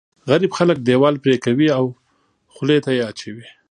غريب خلک دیوال پرې کوي او خولې ته یې اچوي.